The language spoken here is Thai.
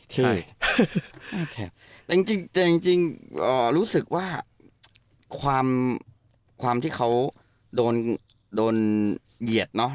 ใช่แต่จริงรู้สึกว่าความที่เขาโดนเหยียดเนอะ